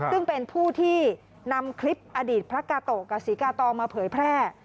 ซึ่งเป็นผู้ที่นำคลิปอดีตพระกาโตะกับศรีกาตองมาเผยแพร่